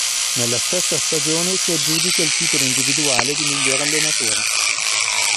Nella stessa stagione si aggiudica il titolo individuale di miglior allenatore.